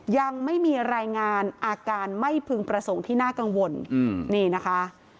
ยังไม่มีรายงานอาการไม่พึงประสงค์ที่น่ากังวลนี่นะคะ